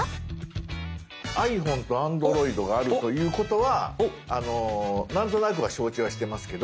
ｉＰｈｏｎｅとＡｎｄｒｏｉｄがあるということはなんとなくは承知はしてますけど。